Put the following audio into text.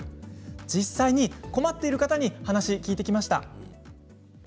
実際に困っている方に話を聞きました。